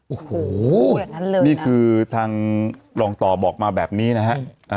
โอ้โหนี่คือทางรองต่อบอกมาแบบนี้นะฮะ